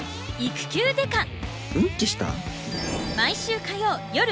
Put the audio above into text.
うんちした？